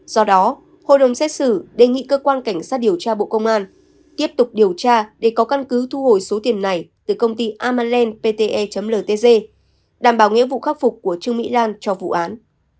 do đó hội đồng xét xử đề nghị cơ quan cảnh sát điều tra bộ công an tiếp tục điều tra để có căn cứ thu hồi số tiền này từ công ty amalland pte ltg đảm bảo nghĩa vụ khắc phục của trương mỹ lan cho vụ án